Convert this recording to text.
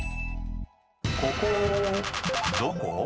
［ここどこ？］